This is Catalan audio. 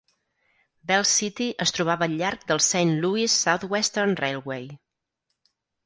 Bell City es trobava al llarg del Saint Louis Southwestern Railway.